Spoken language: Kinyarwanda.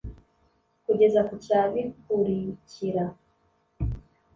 Kugeza ku cya bikurikira